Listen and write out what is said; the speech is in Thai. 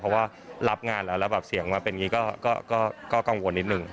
เพราะว่ารับงานแล้วแล้วแบบเสียงมาเป็นอย่างนี้ก็กังวลนิดนึง